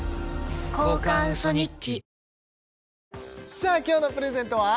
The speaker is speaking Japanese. さあ今日のプレゼントは？